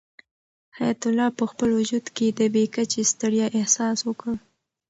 حیات الله په خپل وجود کې د بې کچې ستړیا احساس وکړ.